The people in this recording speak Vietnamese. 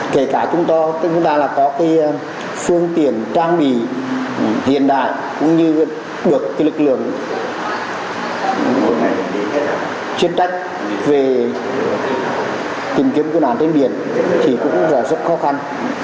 kể cả chúng ta có phương tiện trang bị hiện đại cũng như được lực lượng chuyên tách về tìm kiếm cư nàn trên biển thì cũng rất khó khăn